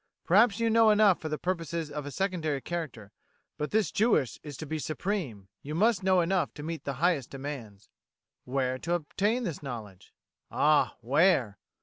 Perhaps you know enough for the purposes of a secondary character, but this Jewess is to be supreme; you must know enough to meet the highest demands. Where to obtain this knowledge? Ah! Where!